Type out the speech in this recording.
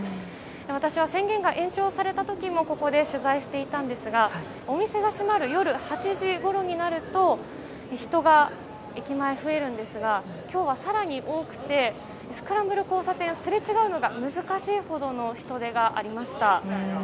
私は宣言が延長された時もここで取材していたんですがお店が閉まる夜８時ごろになると人が駅前、増えるんですが今日は更に多くてスクランブル交差点すれ違うのが難しいほどの人出がありました。